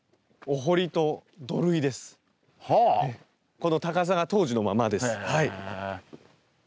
この高さが当時のままです。へ。